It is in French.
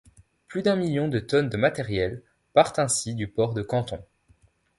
Plus d'un million de tonnes de matériel partent ainsi du port de Canton.